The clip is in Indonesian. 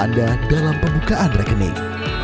selamat datang kembali dalam pembukaan rekening